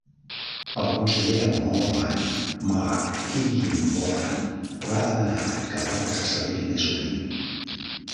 El conseller de Moreland, Mark Higginbotham va demanar que l'acte se celebri més sovint.